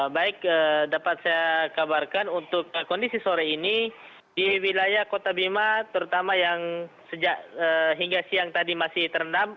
baik dapat saya kabarkan untuk kondisi sore ini di wilayah kota bima terutama yang sejak hingga siang tadi masih terendam